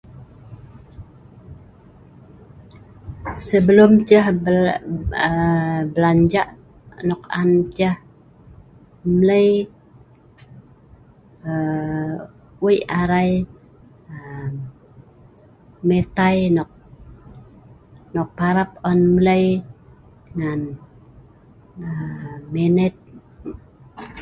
Sebelum ceh [unintelligible] um blanja' nok an ceh mlei um wei' arai um metai nok parap on mlei ngan um menet [unintelligible]